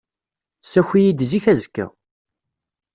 Ssaki-iyi-d zik azekka.